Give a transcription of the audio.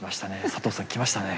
佐藤さんきましたね。